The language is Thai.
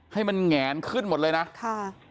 ให้มันแหงขึ้นหมดเลยนะค่ะ